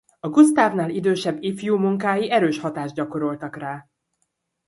A Gustavnál idősebb ifjú munkái erős hatást gyakoroltak rá.